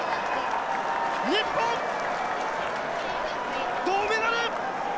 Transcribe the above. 日本、銅メダル。